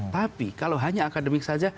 tapi kalau hanya akademik saja